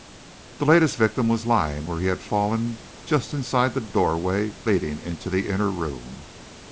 The latest victim was lying where he had fallen, just inside the doorway leading into the inner room.